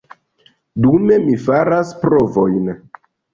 Dume, mi faras provojn.